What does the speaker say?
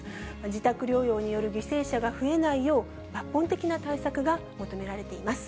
自宅療養による犠牲者が増えないよう、抜本的な対策が求められています。